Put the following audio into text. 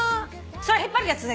それ引っ張るやつね。